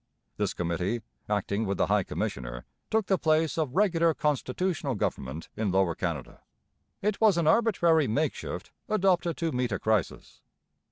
This committee acting with the High Commissioner took the place of regular constitutional government in Lower Canada. It was an arbitrary makeshift adopted to meet a crisis.